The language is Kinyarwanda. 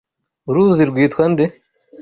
Uruzi rwitwa nde?